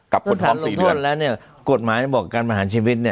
กับคนท้อง๔เดือนกฎหมายบอกการประหารชีวิต